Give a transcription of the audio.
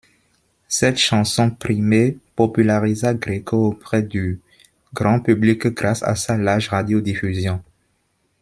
Cette chanson primée popularisa Gréco auprès du grand public grâce à sa large radiodiffusion.